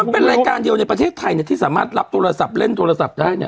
เป็นรายการเดียวในประเทศไทยที่สามารถรับโทรศัพท์เล่นโทรศัพท์ได้เนี่ย